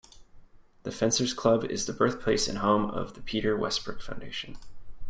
The Fencers Club is the birthplace and home of the Peter Westbrook Foundation.